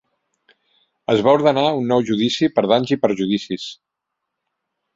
Es va ordenar un nou judici per danys i perjudicis.